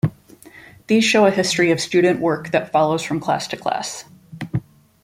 These show a history of student work that follows from class to class.